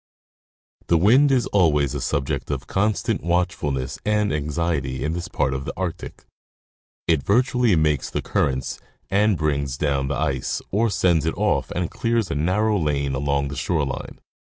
The wind is always a subject of constant watchfulness and anxiety in this part of the Arctic ; it virtually makes the currents and brings down the ice, or sends it off and clears a narrow lane along the shore line.